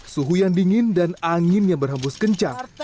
suhu yang dingin dan angin yang berhembus kencang